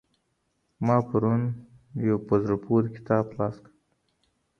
ما پرون يو په زړه پوري کتاب خلاص کړ.